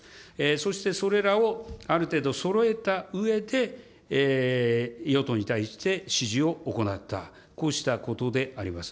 そしてそれらをある程度そろえたうえで、与党に対して指示を行った、こうしたことであります。